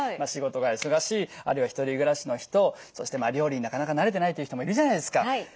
仕事が忙しいあるいは１人暮らしの人そして料理になかなか慣れてないっていう人もいるじゃないですか。